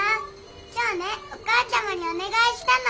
今日ねお母ちゃまにお願いしたの。